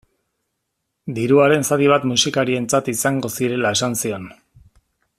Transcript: Diruaren zati bat musikarientzat izango zirela esan zion.